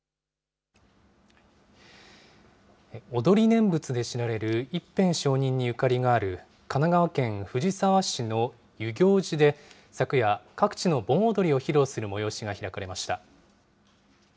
踊り念仏で知られる一遍上人にゆかりがある神奈川県藤沢市の遊行寺で昨夜、各地の盆踊りを披露する催しが開かれました。